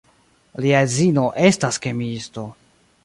Lia edzino estas kemiisto.